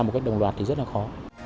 một cách đồng loạt thì rất là khó